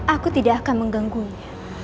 aku tidak akan mengganggunya